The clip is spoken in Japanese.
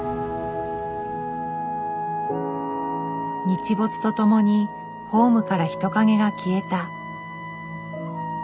日没とともにホームから人影が消えた。